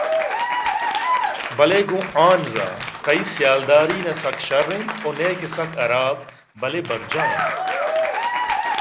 بلئے گوں ہانزءَتئی سیالداری نہ سک شر اِنت ءُنئیکہ سک حراب بلئے برجاہ اِنت